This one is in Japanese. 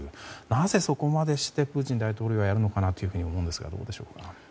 なぜそこまでしてプーチン大統領はやるのかなと思うんですが、どうでしょうか。